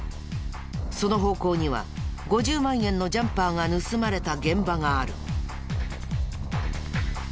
その方向には５０万円のジャンパーが盗まれた現場がある。